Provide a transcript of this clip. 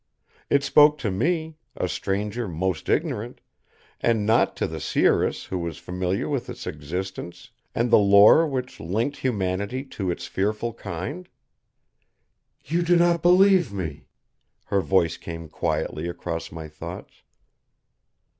It spoke to me, a stranger most ignorant, and not to the seeress who was familiar with Its existence and the lore which linked humanity to Its fearful kind? "You do not believe me," her voice came quietly across my thoughts.